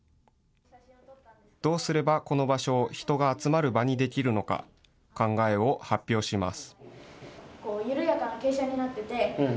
どうすればこの場所を人が集まる場にできるのか考えを発表します。